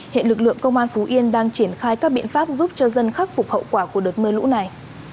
hiện lực lượng công an phú yên đang triển khai các biện pháp giúp cho dân khắc phục hậu quả của đợt mưa lũ này